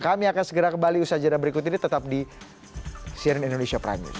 kami akan segera kembali usaha jadwal berikut ini tetap di cnn indonesia prime news